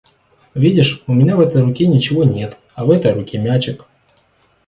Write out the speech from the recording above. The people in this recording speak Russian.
Видишь у меня в этой руке ничего нет, а в этой руке мячик.